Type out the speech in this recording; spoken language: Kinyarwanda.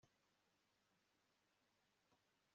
Ibyo byose wabikoze wenyine